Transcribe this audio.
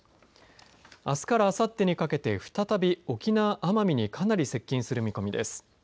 あすからあさってにかけて再び沖縄・奄美にかなり接近する見込みです。